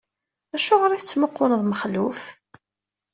Acuɣeṛ i tettmuqquleḍ Mexluf?